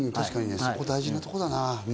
そこ大事なところだな。